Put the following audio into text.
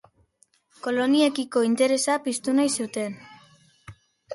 Koloniekiko interesa piztu nahi zuten.